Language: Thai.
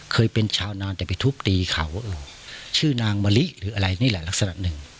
เคยเป็นชาวนานแต่ไปทุบตีเขาชื่อนางมะลิหรืออะไรนี่แหละลักษณะหนึ่ง